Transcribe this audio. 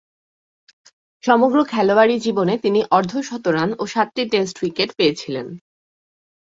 সমগ্র খেলোয়াড়ী জীবনে তিনটি অর্ধ-শতরান ও সাতটি টেস্ট উইকেট পেয়েছিলেন।